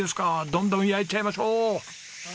どんどん焼いちゃいましょう！